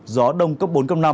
gió đông cấp bốn năm